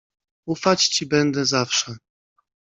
"Ufać ci będę zawsze."